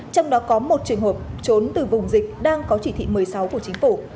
trong đó có một trường hợp trốn từ vùng dịch đang có chỉ thị một mươi sáu của chính phủ